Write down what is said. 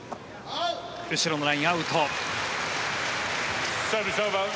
後ろのライン、アウト。